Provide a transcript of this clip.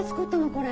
これ。